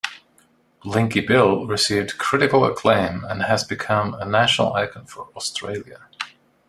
Blinky Bill received critical acclaim, and has become a national icon for Australia.